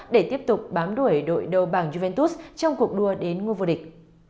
để tiếp tục bám đuổi đội đội bảng juventus trong cuộc đua đến nguồn vô địch